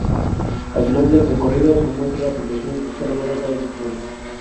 Al final del recorrido se muestra la puntuación que ha logrado cada visitante.